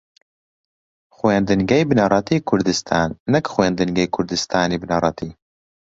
خوێندنگەی بنەڕەتیی کوردستان نەک خوێندنگەی کوردستانی بنەڕەتی